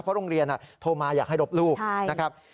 เพราะโรงเรียนโทรมาอยากให้รบลูกนะครับ